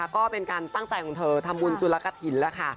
ก็เป็นการตั้งใจของเธอทำบุญจุลกฐินแล้วค่ะ